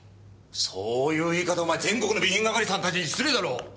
そういう言い方お前全国の備品係さんたちに失礼だろ。